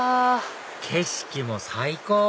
景色も最高！